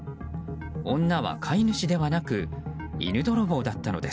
女は飼い主ではなく犬泥棒だったのです。